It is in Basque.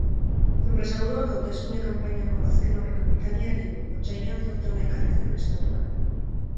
Enpresaburuak hauteskunde-kanpainako azken-aurreko ekitaldia egin du, otsailean zorte ona ekarri zion estatuan.